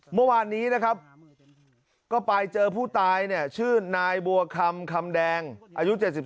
เมื่อวานนี้นะครับก็ไปเจอผู้ตายเนี่ยชื่อนายบัวคำคำแดงอายุ๗๒